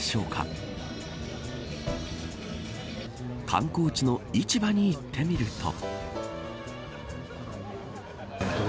観光地の市場に行ってみると。